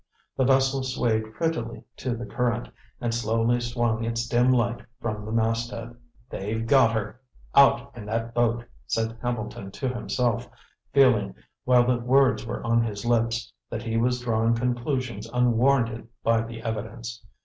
The vessel swayed prettily to the current, and slowly swung its dim light from the masthead. "They've got her out in that boat," said Hambleton to himself, feeling, while the words were on his lips, that he was drawing conclusions unwarranted by the evidence.